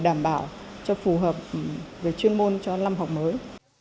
đảm bảo cho phù hợp về chuyên môn cho năm học mới